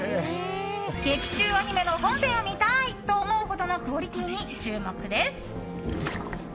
劇中アニメの本編を見たい！と思うほどのクオリティーに注目です。